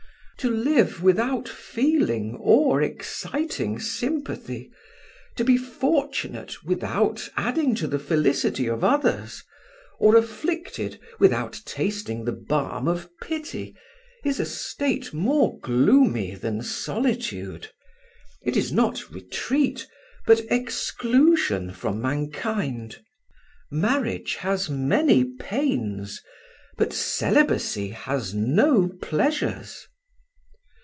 To live without feeling or exciting sympathy, to be fortunate without adding to the felicity of others, or afflicted without tasting the balm of pity, is a state more gloomy than solitude; it is not retreat but exclusion from mankind. Marriage has many pains, but celibacy has no pleasures."